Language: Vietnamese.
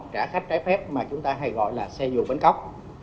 trả khách trái phép mà chúng ta hay gọi là xe dù bến cóc